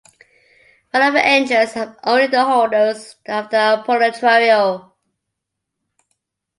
Right of entrance have only the holders of the "Apolytirio".